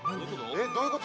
・えっどういうこと？